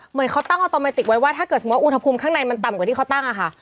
เหมือนเขาตั้งออโตเมติกไว้ว่าถ้าเกิดสมมุติอุณหภูมิข้างในมันต่ำกว่าที่เขาตั้งอะค่ะ